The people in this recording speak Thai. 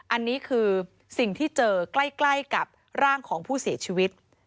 อันนี้คือสิ่งที่เจอใกล้กับร่างของผู้เสียชีวิต